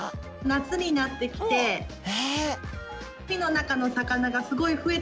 夏になってきて海の中の魚がすごい増えてます。